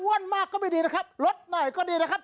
มากก็ไม่ดีนะครับลดหน่อยก็ดีนะครับ